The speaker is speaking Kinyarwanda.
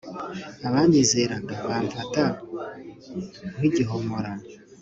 abanyizeraga bafamta nk’igihomora